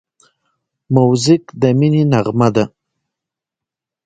موزیک د مینې نغمه ده.